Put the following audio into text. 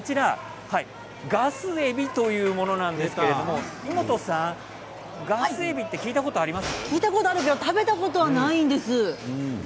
ガスエビというものなんですけれどイモトさん聞いたことあるけど食べたことないんです。